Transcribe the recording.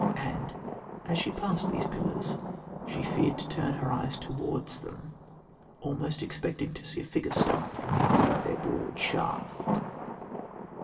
and as she passed these pillars she feared to turn her eyes towards them, almost expecting to see a figure start from behind their broad shaft."